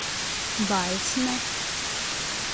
Vairs ne.